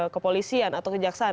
kepolisian atau kejaksaan